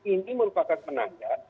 ini merupakan penanda